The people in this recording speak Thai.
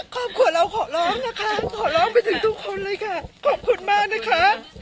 ครอบครัวเราขอร้องนะคะขอร้องไปถึงทุกคนเลยค่ะขอบคุณมากนะคะ